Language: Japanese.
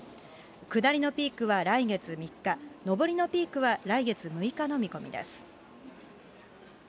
下りのピークは来月３日、上りのピークは来月６日の見込みです。